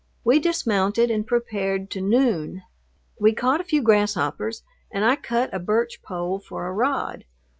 We dismounted and prepared to noon. We caught a few grasshoppers and I cut a birch pole for a rod.